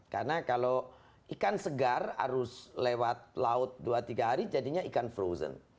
karena kalau ikan segar harus lewat laut dua tiga hari jadinya ikan frozen